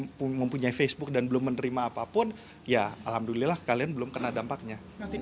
kalau teman teman belum mempunyai facebook dan belum menerima apapun ya alhamdulillah kalian belum kena dampaknya